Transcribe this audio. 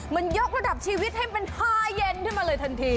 มันยกระดับชีวิตให้มันฮาเย็นขึ้นมาเลยทันที